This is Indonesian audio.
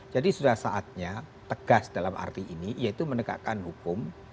sudah saatnya tegas dalam arti ini yaitu menegakkan hukum